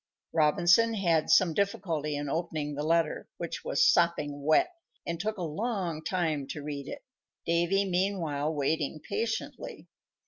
Robinson had some difficulty in opening the letter, which was sopping wet, and took a long time to read it, Davy, meanwhile, waiting patiently.